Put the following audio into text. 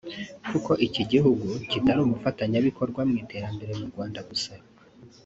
kuko iki gihugu kitari umufatanyabikorwa mu iterambere mu Rwanda gusa